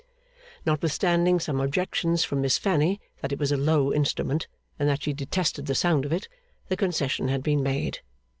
Notwithstanding some objections from Miss Fanny, that it was a low instrument, and that she detested the sound of it, the concession had been made.